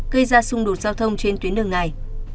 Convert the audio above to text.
gây ra xung đột giao thông trên tuyến đường này